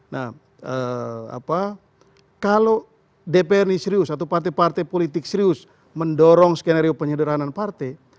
nah kalau dpr ini serius atau partai partai politik serius mendorong skenario penyederhanan partai